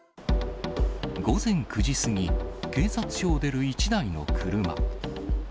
午前９時過ぎ、警察署を出る１台の車。